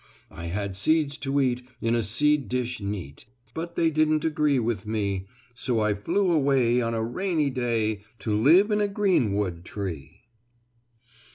I had seeds to eat, in a seed dish neat, But they didn't agree with me, So I flew away on a rainy day, To live in a greenwood tree."